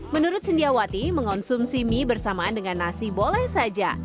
menurut sindiawati mengonsumsi mie bersamaan dengan nasi boleh saja